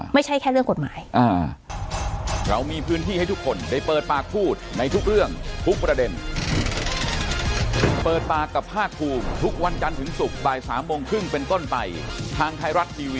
ไม่ใช่แค่เรื่องกฎหมาย